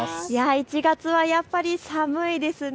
１月はやっぱり寒いですね。